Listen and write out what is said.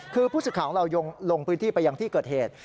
คือผู้สื่อข่าวของเราลงพื้นที่ไปยังที่เกิดเหตุ